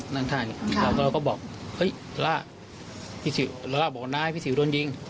นั้นไงแล้วก็เราก็บอกโอ้ยละพี่สีวละบอกว่านายพี่สีวโดนยิง